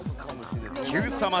Ｑさま！！